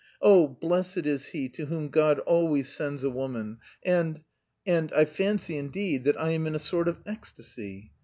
Oh, blessed is he to whom God always sends a woman and... and I fancy, indeed, that I am in a sort of ecstasy.